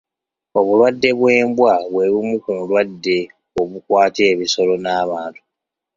Obulwadde bw'embwa bwe bumu ku ndwadde obukwata ebisolo n'abantu.